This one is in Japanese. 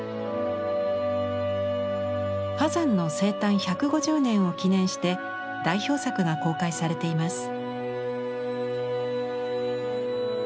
波山の生誕１５０年を記念して代表作が公開されています。